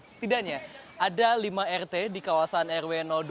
setidaknya ada lima rt di kawasan rw dua